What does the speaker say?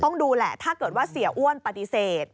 ต้องดูแหละถ้าเกิดว่าเสียอ้วนปฏิเสธ